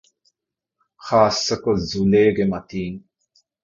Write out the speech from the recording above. ޚާއްސަކޮށް ޒުލޭގެ މަތީން